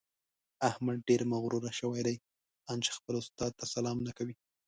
احمد ډېر مغروره شوی دی؛ ان چې خپل استاد ته سلام نه کوي.